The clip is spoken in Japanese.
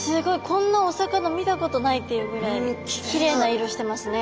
こんなお魚見たことないっていうぐらいきれいな色してますね。